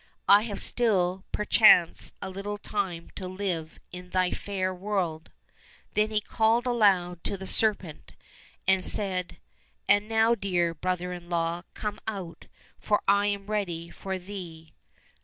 I have still, perchance, a little time to live in Thy fair world !" Then he called aloud to the serpent and said, " And now, dear brother in law, come out, for I am ready for thee